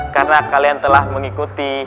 karena kalian telah mengikuti